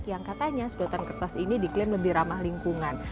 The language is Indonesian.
yang katanya sedotan kertas ini diklaim lebih ramah lingkungan